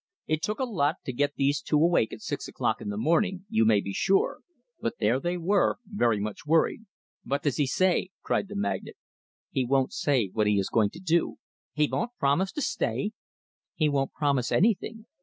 It took a lot to get those two awake at six o'clock in the morning, you may be sure; but there they were, very much worried. "Vot does he say?" cried the magnate. "He won't say what he is going to do." "He von't promise to stay?" "He won't promise anything."